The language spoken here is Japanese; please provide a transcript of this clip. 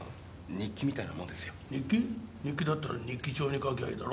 日記だったら日記帳に書きゃいいだろ。